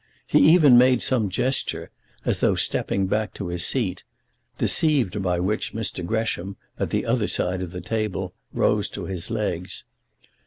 He even made some gesture, as though stepping back to his seat; deceived by which Mr. Gresham, at the other side of the table, rose to his legs.